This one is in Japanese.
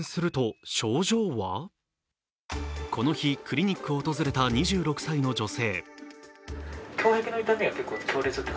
この日、クリニックを訪れた２６歳の女性。